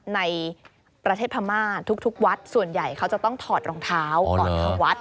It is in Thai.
ในประเทศพม่าทุกวัดส่วนใหญ่เขาจะต้องถอดรองเท้าก่อนเข้าวัด